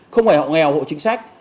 không phải hộ nghèo hộ chính sách